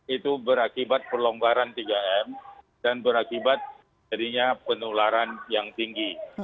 itu berakibat pelonggaran tiga m dan berakibat jadinya penularan yang tinggi